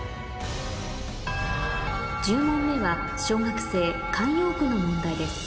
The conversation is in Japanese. １０問目は小学生慣用句の問題です